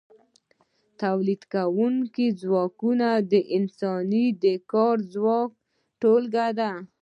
تولیدونکي ځواکونه د انسانانو د کاري ځواک ټولګه ده.